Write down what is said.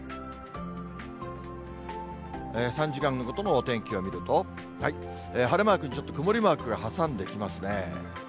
３時間ごとのお天気を見ると、晴れマークにちょっと曇りマークが挟んできますね。